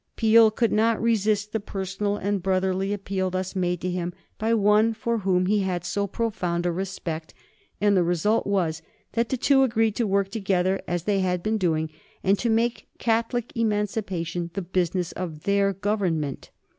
Peel could not resist the personal and brotherly appeal thus made to him by one for whom he had so profound a respect, and the result was that the two agreed to work together as they had been doing, and to make Catholic Emancipation the business of their Government.